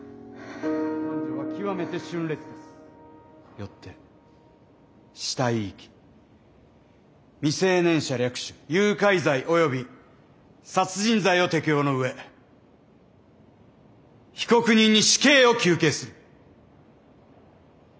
よって死体遺棄未成年者略取・誘拐罪及び殺人罪を適用の上被告人に死刑を求刑する！